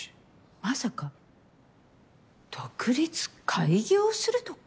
まさか独立開業するとか？